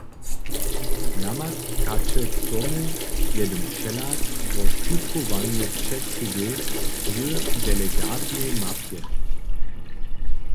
Namakaće k tomu jedyn přehlad wo skutkowanju předsydy w delegatnej mapje.